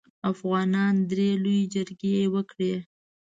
افغانانو درې لويې جګړې وکړې.